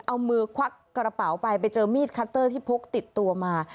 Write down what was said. เอามือควักกระเป๋าไปไปเจอมีดคัตเตอร์ที่พกติดตัวมา